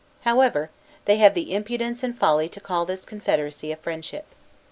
However, they have the impudence and folly to call this confederacy a friendship.